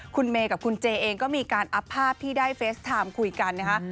คุณเมย์กับคุณเจเองก็มีการอัพภาพที่ได้เฟสไทม์คุยกันนะคะ